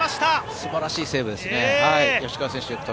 素晴らしいセーブですね。